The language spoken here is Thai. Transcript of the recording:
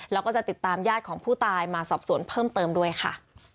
แล้วก็จะติดตามญาติของผู้ตายมาสอบสวนเพิ่มเติมด้วยค่ะ